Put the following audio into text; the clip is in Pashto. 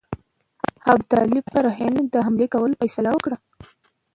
ابدالي پر هند باندي د حملې کولو فیصله وکړه.